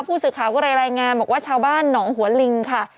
ผู้สื่อข่าวก็เลยรายงานบอกว่าชาวบ้านหนองหัวลิงค่ะ